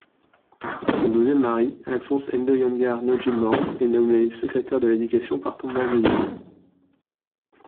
Son deuxième mari, Alphone Ndoyengar Nodjimbang, est nommé secrétaire de l'éducation par Tombalbeye.